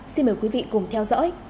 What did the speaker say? xin mời quý vị cùng theo dõi